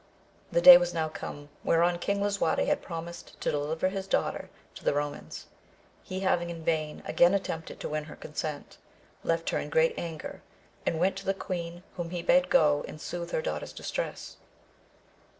HE day was now come whereon King Lisuarte had promised to deliver his daughter to the Komans ; he having in vain again attempted to win her consent, left her in great anger, and went to the queen whom he bade go and soothe her daughter's distress.